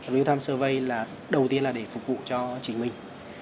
real time serve là đầu tiên là để phục vụ cho chính mình